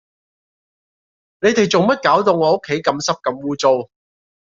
你哋做乜搞到我屋企咁濕咁污糟